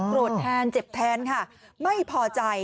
แทนเจ็บแทนค่ะไม่พอใจ